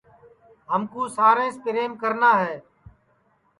ہمکُو ساریںٚس پریم کرنا ہے